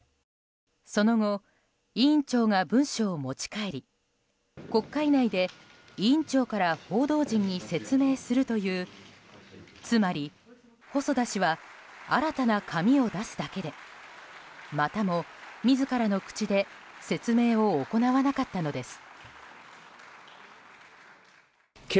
その後、委員長が文書を持ち帰り国会内で委員長から報道陣に説明するというつまり、細田氏は新たな紙を出すだけでまたも自らの口で説明を行わなかったのです。